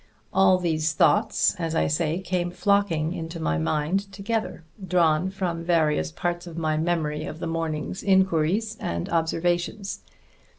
All these thoughts, as I say, came flocking into my mind together, drawn from various parts of my memory of the morning's inquiries and observations.